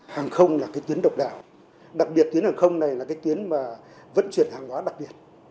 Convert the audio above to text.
hàng không là tuyến độc đảo đặc biệt tuyến hàng không này là tuyến vận chuyển hàng hóa đặc biệt